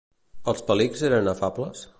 Els Palics eren afables?